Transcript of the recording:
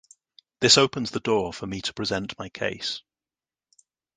This opens the door for me to present my case.